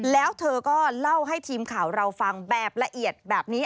แล้วเธอก็เล่าให้ทีมข่าวเราฟังแบบละเอียดแบบนี้